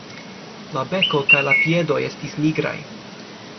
La beko kaj la piedoj estis nigraj.